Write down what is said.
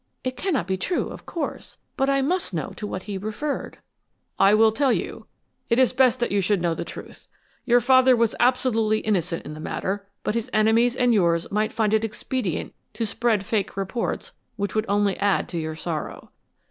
It cannot be true, of course; but I must know to what he referred!" "I will tell you. It is best that you should know the truth. Your father was absolutely innocent in the matter, but his enemies and yours might find it expedient to spread fake reports which would only add to your sorrow.